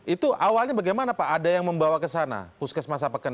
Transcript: itu awalnya bagaimana pak ada yang membawa ke sana puskesmas sapeken